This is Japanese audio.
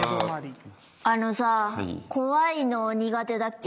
あのさ怖いの苦手だっけ？